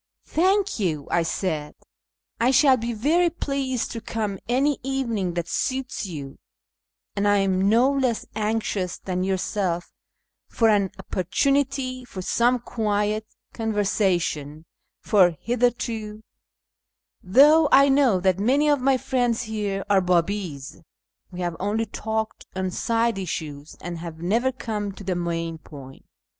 " Thank you," I said, " I shall be very pleased to come any evening that suits you, and I am no less anxious than yourself for an opportunity for some quiet conversation ; for hitherto, though I know that many of my friends here are Biibi's, we have only talked on side issues, and have never come to the main point.